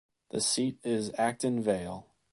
The seat is Acton Vale.